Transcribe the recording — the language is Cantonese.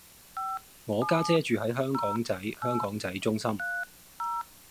我家姐住喺香港仔香港仔中心